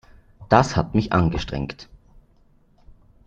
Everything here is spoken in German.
Das hat mich angestrengt.